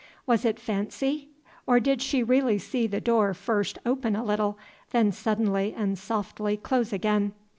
Was it fancy? or did she really see the door first open a little, then suddenly and softly close again?